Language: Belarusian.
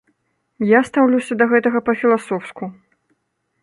Я стаўлюся да гэтага па-філасофску.